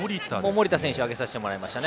守田選手を挙げさせてもらいました。